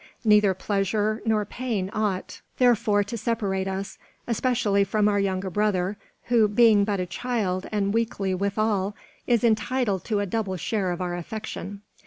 Neither pleasure nor pain ought, therefore, to separate us, especially from our younger brother, who, being but a child and weakly withal, is entitled to a double share of our affection.